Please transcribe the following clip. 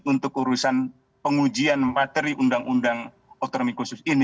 untuk urusan pengujian materi undang undang ocus